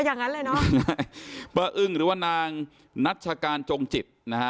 อย่างนั้นเลยเนอะป้าอึ้งหรือว่านางนัชการจงจิตนะฮะ